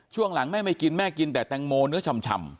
ช่วงหลังแม่ไม่กินแม่กินแต่แตงโมเนื้อชำ